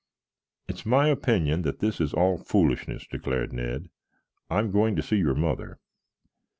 "It's my opinion that this is all foolishness," declared Ned. "I'm going to see your mother."